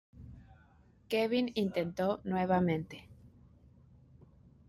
Kevin intentó nuevamente.